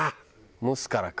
蒸すからか。